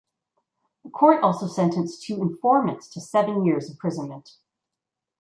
The court also sentenced two informants to seven years imprisonment.